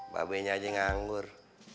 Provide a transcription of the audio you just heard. babenya aja nganggur